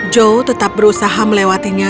joe tetap berusaha melewatinya